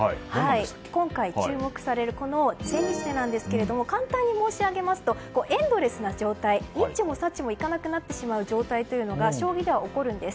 今回、注目されるこの千日手なんですが簡単に申し上げますとエンドレスな状態にっちもさっちもいかなくなってしまう状態というのが将棋では起こるんです。